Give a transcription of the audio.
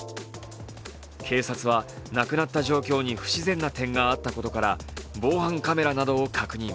警察は亡くなった状況に不自然な状況があったことから防犯カメラなどを確認。